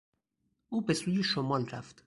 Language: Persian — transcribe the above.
او به سوی شمال رفت.